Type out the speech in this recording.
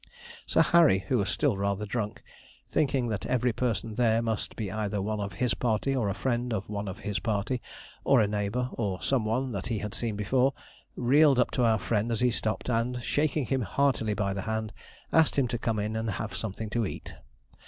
Sir Harry, who was still rather drunk, thinking that every person there must be either one of his party, or a friend of one of his party, or a neighbour, or some one that he had seen before, reeled up to our friend as he stopped, and, shaking him heartily by the hand, asked him to come in and have something to eat.